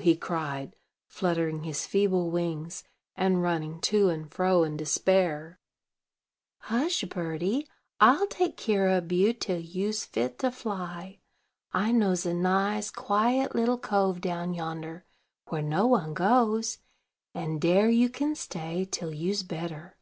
he cried, fluttering his feeble wings, and running to and fro in despair. "Hush, birdie, I'll take kere ob you till you's fit to fly. I knows a nice, quiet little cove down yonder, where no one goes; and dare you kin stay till you's better.